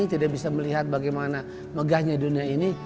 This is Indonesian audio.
tidak bisa melihat bagaimana megahnya dunia ini